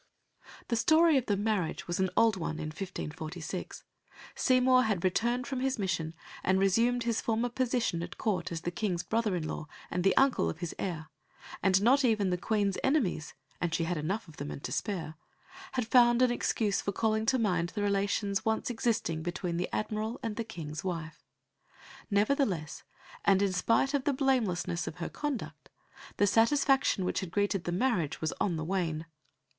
The story of the marriage was an old one in 1546. Seymour had returned from his mission and resumed his former position at Court as the King's brother in law and the uncle of his heir, and not even the Queen's enemies and she had enough of them and to spare had found an excuse for calling to mind the relations once existing between the Admiral and the King's wife. Nevertheless, and in spite of the blamelessness of her conduct, the satisfaction which had greeted the marriage was on the wane.